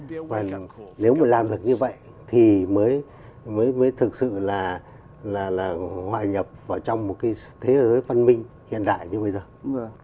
và nếu mà làm được như vậy thì mới thực sự là ngoại nhập vào trong một thế giới phân minh hiện đại như bây giờ